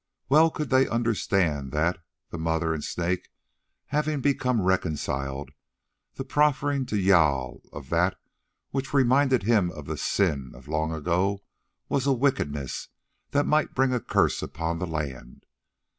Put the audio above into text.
Well could they understand that, the Mother and Snake having become reconciled, the proffering to Jâl of that which reminded him of the sin of long ago was a wickedness that might bring a curse upon the land.